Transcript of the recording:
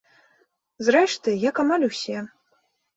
Зрэшты, як амаль усе.